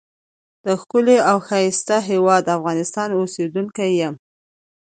دښکلی او ښایسته هیواد افغانستان اوسیدونکی یم.